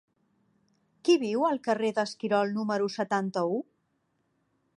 Qui viu al carrer d'Esquirol número setanta-u?